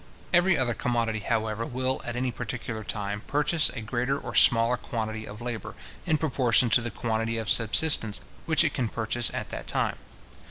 Every other commodity, however, will, at any particular time, purchase a greater or smaller quantity of labour, in proportion to the quantity of subsistence which it can purchase at that time.